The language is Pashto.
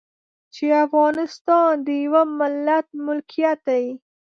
چې افغانستان د يوه ملت ملکيت دی.